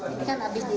ini kan abis di